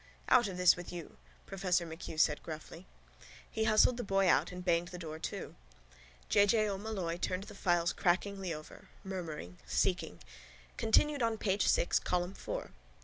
—Out of this with you, professor MacHugh said gruffly. He hustled the boy out and banged the door to. J. J. O'Molloy turned the files crackingly over, murmuring, seeking: —Continued on page six, column four.